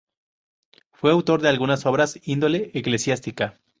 Fue autor de algunas obras de índole eclesiástica.